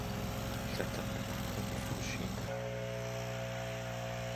Лъэдакъэ махуэ къыфхущинэ!